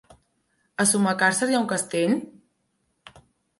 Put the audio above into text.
A Sumacàrcer hi ha un castell?